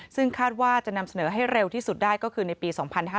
ซึ่งคาดว่าจะนำเสนอให้เร็วที่สุดได้ก็คือในปี๒๕๕๙